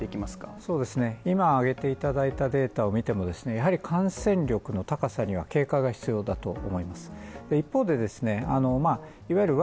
そうですね、今挙げていただいたデータを見てもですねやはり感染力の高さには警戒が必要だと思います。